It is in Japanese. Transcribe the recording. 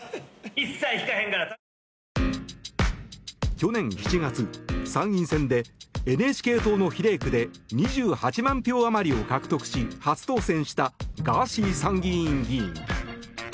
去年７月参院選でＮＨＫ党の比例区で２８万票余りを獲得し初当選したガーシー参議院議員。